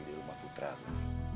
pagi di rumah putra aku